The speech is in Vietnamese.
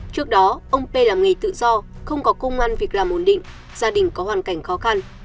trước đó ông p làm nghề tự do không có công an việc làm ổn định gia đình có hoàn cảnh khó khăn